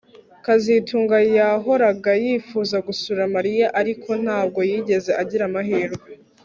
kazitunga yahoraga yifuza gusura Mariya ariko ntabwo yigeze agira amahirwe